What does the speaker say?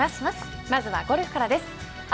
まずはゴルフからです。